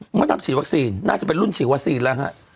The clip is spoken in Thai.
ดำฉีดวัคซีนน่าจะเป็นรุ่นฉีดวัคซีนแล้วฮะ